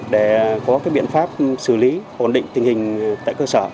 để có biện pháp xử lý ổn định tình hình tại cơ sở